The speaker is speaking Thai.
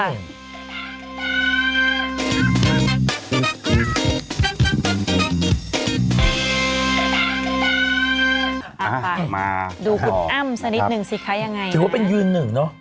อ่าไปดูคุณอ้ำสักนิดหนึ่งสิคะยังไงนะครับถือว่าเป็นยืนหนึ่งเนอะ